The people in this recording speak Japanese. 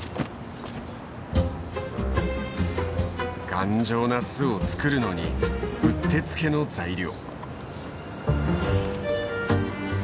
頑丈な巣をつくるのにうってつけの材料。